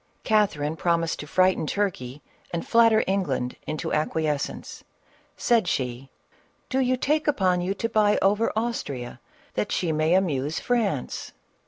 Catherine promised to frighten Turkey and flat ter England into acquiescence ; said she, " Do you take upon you to buy over Austria, that she may amuse France